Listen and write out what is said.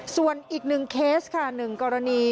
ส่วนอีก๑เคสค่ะ๑กรณี